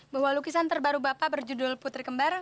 bahwa lukisan terbaru bapak berjudul putri kembar